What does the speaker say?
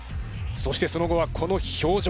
そしてその後はこの表情。